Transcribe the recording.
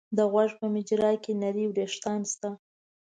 د غوږ په مجرا کې نري وېښتان شته.